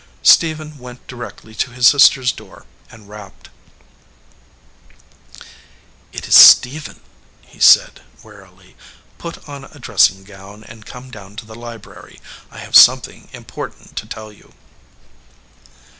Stephen went directly to his sister s door and rapped. "It is Stephen," he said, warily. "Put on a 278 RING WITH THE GREEN STONE dressing gown and come down to the library. I have something important to tell you."